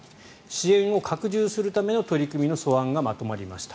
支援を拡充するための取り組みの素案がまとまりました。